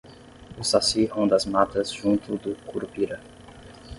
O saci ronda as matas junto do curupira